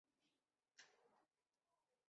锐尖毛蕨为金星蕨科毛蕨属下的一个种。